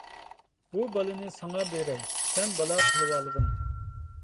بۇ بالىنى ساڭا بېرەي، سەن بالا قىلىۋالغىن.